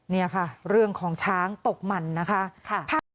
นี่ค่ะเรื่องของช้างตกมันนะคะ